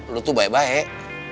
lo tuh baik baik